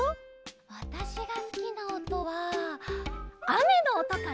わたしがすきなおとはあめのおとかな！